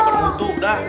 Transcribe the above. ga perlu tuh udah